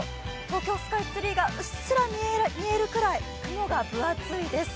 東京スカイツリーがうっすら見えるくらい雲が分厚いです。